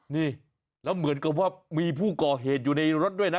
นี่แล้วเหมือนกับว่ามีผู้ก่อเหตุอยู่ในรถด้วยนะ